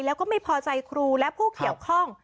แล้วก็ไม่พอใจครูและผู้เกี่ยวข้อง